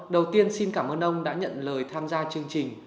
đầu tiên xin cảm ơn ông đã nhận lời tham gia chương trình